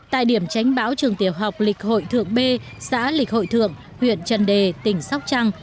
tại điểm tránh báo trường tiểu học lịch hội thượng b xã lịch hội thượng huyện trần đề tỉnh sóc trăng